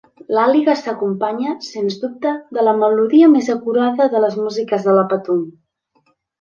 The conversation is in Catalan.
L'Àliga s'acompanya, sens dubte, de la melodia més acurada de les músiques de la Patum.